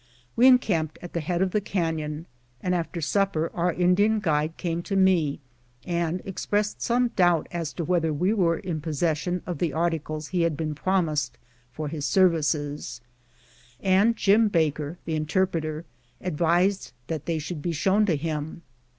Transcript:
We en camped at the head of the canon, and, after supper, our In dian guide came to me and expressed some doubt as to whether we were in possession of the articles he had been promised for his services, and Jim Baker, the interpreter, advised that they should be shown to him.